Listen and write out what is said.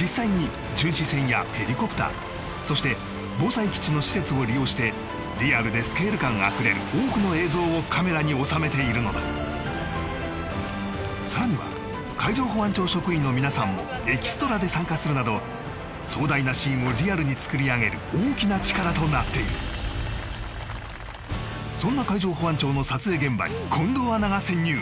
実際に巡視船やヘリコプターそして防災基地の施設を利用してリアルでスケール感あふれる多くの映像をカメラに収めているのださらには海上保安庁職員の皆さんもエキストラで参加するなど壮大なシーンをリアルに作り上げる大きな力となっているそんな海上保安庁の撮影現場に近藤アナが潜入